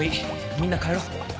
みんな帰ろう。